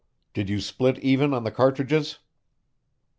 Did you split even on the cartridges?"